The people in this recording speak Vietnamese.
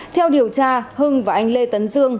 theo điều tra hưng và anh lê tấn dương